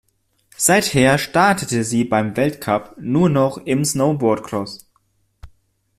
Seither startete sie beim Weltcup nur noch im Snowboardcross.